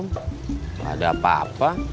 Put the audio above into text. nggak ada apa apa